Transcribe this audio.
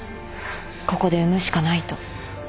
ここで産むしかないと。